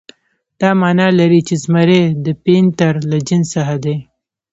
دا معنی لري چې زمری د پینتر له جنس څخه دی.